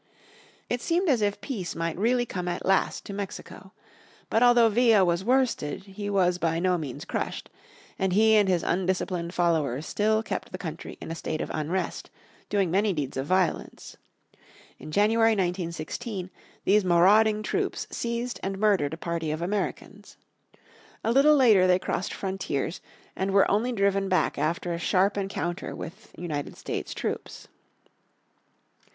It seemed as if peace might really come at last to Mexico. But although Villa was worsted he was by to means crushed, and he and his undisciplined followers still kept the country in a state of unrest, doing many deeds of violence. In January, 1916, these marauding troops seized and murdered a party of Americans. A little later they crossed frontiers, and were only driven back after a sharp encounter with United States troops.